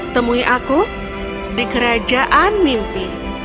temui aku di kerajaan mimpi